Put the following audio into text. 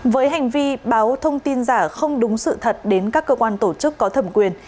với hành vi báo thông tin giả không đúng sự thật đến các cơ quan tổ chức có thẩm quyền